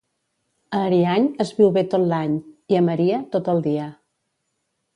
A Ariany es viu bé tot l'any i, a Maria, tot el dia.